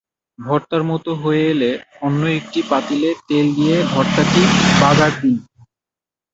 ভর্তার মতো হয়ে এলে অন্য একটি পাতিলে তেল দিয়ে ভর্তাটি বাগার দিন।